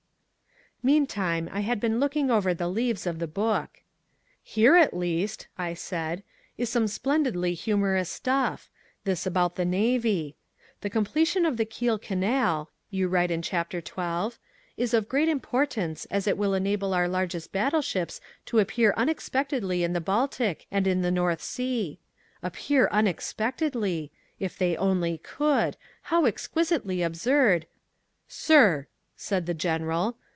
Meantime I had been looking over the leaves of the book. "Here at least," I said, "is some splendidly humorous stuff, this about the navy. 'The completion of the Kiel Canal,' you write in Chapter XII, 'is of great importance as it will enable our largest battleships to appear unexpectedly in the Baltic and in the North Sea!' Appear unexpectedly! If they only would! How exquisitely absurd " "Sir!" said the General.